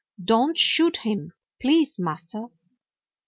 "Don't shoot him! Please, Massa!"